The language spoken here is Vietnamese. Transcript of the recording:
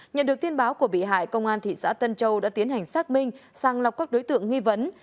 nhận được tin báo của bị hại công an thị xã tân châu đã tiến hành xác minh sang lọc các đối tượng nghi vấn